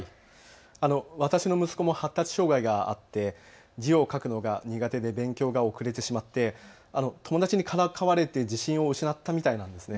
私の息子も発達障害があって字を書くのが苦手で勉強が遅れてしまって友達にからかわれて自信を失ったみたいなんですね。